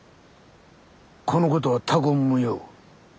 このことは他言無用。